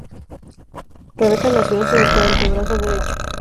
Rebekah nació sin su antebrazo derecho.